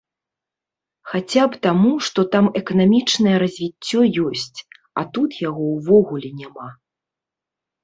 Хаця б таму, што там эканамічнае развіццё ёсць, а тут яго ўвогуле няма.